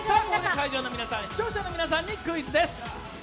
会場の皆さん、視聴者の皆さんにクイズです。